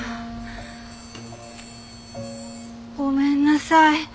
ごめんなさい。